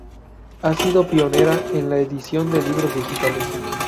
Ha sido pionera en la edición de libros digitales.